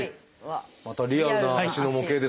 またリアルな足の模型ですね。